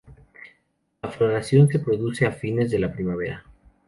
La floración se produce a fines de la primavera.